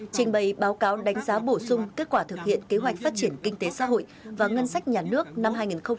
trình bày báo cáo đánh giá bổ sung kết quả thực hiện kế hoạch phát triển kinh tế xã hội và ngân sách nhà nước năm hai nghìn một mươi tám